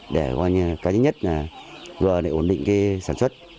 để coi như là cái nhất là vừa để ổn định sản xuất